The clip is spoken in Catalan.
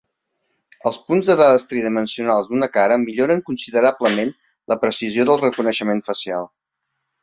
Els punts de dades tridimensionals d'una cara milloren considerablement la precisió del reconeixement facial.